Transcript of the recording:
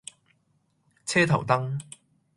車頭燈